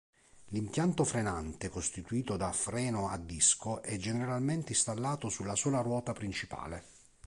L'impianto frenante, costituito da freno a disco è generalmente installato sulla sola ruota principale.